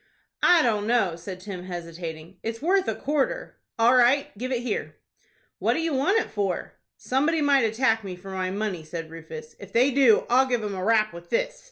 "I don't know," said Tim, hesitating. "It's worth a quarter." "All right. Give it here." "What do you want it for?" "Somebody might attack me for my money," said Rufus. "If they do, I'll give 'em a rap with this."